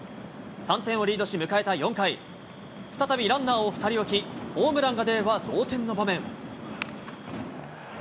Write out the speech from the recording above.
３点をリードし迎えた４回、再び、ランナーを２人おき、ホームランが出れば同点の場面。